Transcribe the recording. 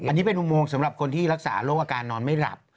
อันนี้เป็นอุโมงสำหรับคนที่รักษาโรคอาการนอนไม่หลับ